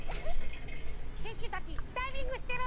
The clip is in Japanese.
シュッシュたちダイビングしてる！